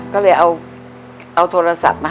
ก็เลยเอาโทรศัพท์มา